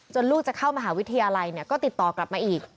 ลูกจะเข้ามหาวิทยาลัยก็ติดต่อกลับมาอีก